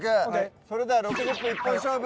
それでは「６０分一本勝負」。